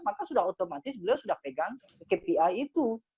maka sudah otomatis beliau sudah pegang kpi itu